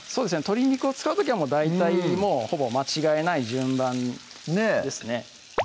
鶏肉を使う時は大体ほぼ間違いない順番ですね